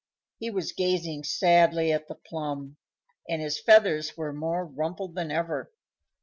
He was gazing sadly at the plum, and his feathers were more rumpled than ever.